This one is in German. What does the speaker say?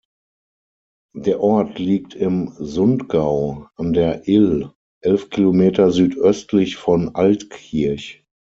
Der Ort liegt im Sundgau, an der Ill, elf Kilometer südöstlich von Altkirch.